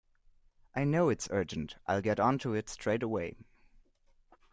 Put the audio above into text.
I know it's urgent; I’ll get on to it straight away